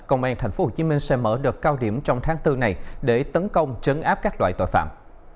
công an tp hcm sẽ mở đợt cao điểm trong tháng bốn này để tấn công trấn áp các loại tội phạm